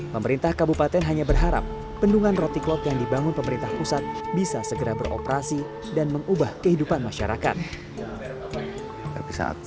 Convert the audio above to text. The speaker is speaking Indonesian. pemerintah kabupaten hanya berharap bendungan roti klot yang dibangun pemerintah pusat bisa segera beroperasi dan mengubah kehidupan masyarakat